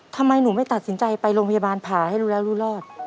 ทำไมหนูไม่ตัดสินใจไปโรงพยาบาลผ่าให้รู้แล้วรู้รอด